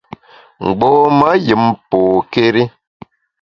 Mgbom-a yùm pokéri.